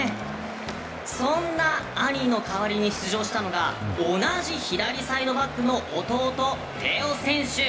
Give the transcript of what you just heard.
そんな兄の代わりに出場したのが同じ左サイドバックの弟テオ選手。